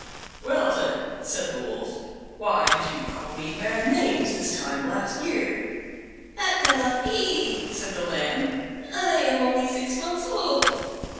"Well, then," said the Wolf, "why did you call me bad names this time last year?" "That cannot be," said the Lamb; "I am only six months old."